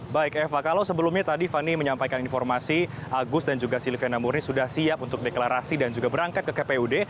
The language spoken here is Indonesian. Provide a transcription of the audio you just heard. baik eva kalau sebelumnya tadi fani menyampaikan informasi agus dan juga silviana murni sudah siap untuk deklarasi dan juga berangkat ke kpud